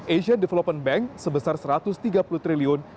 asian development bank sebesar rp satu ratus tiga puluh triliun